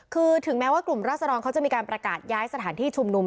คือถึงแม้ว่ากลุ่มราศดรเขาจะมีการประกาศย้ายสถานที่ชุมนุม